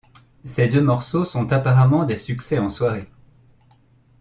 Ces deux morceaux sont apparemment des succès en soirée.